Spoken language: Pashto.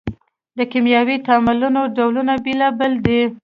د کیمیاوي تعاملونو ډولونه بیلابیل دي.